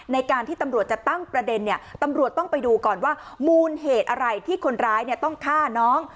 ในการที่ตำรวจจะตั้งประเด็นเนี่ยตำรวจต้องไปดูก่อนว่ามูลเหตุอะไรที่คนร้ายต้องฆ่าน้อง